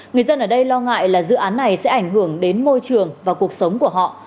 người dân ở đây lo ngại là dự án này sẽ ảnh hưởng đến môi trường và cuộc sống của họ